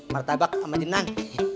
martabak sama jenang